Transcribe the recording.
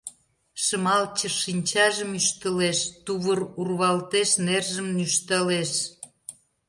Шымалче шинчажым ӱштылеш, тувыр урвалтеш нержым нӱшталеш.